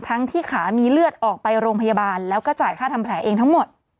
ที่ขามีเลือดออกไปโรงพยาบาลแล้วก็จ่ายค่าทำแผลเองทั้งหมด